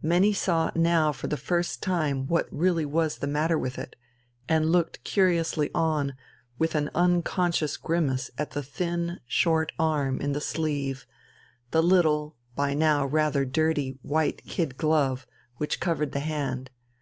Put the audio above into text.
Many saw now for the first time what really was the matter with it, and looked curiously on with an unconscious grimace at the thin, short arm in the sleeve, the little, by now rather dirty white kid glove which covered the hand.